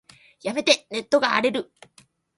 やめて、ネットが荒れる。